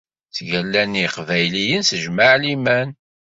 Ttgallan yeqbayliyen s jmeɛ liman!